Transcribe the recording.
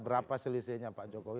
berapa selisihnya pak jokowi